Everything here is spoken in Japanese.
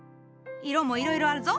色もいろいろあるぞ！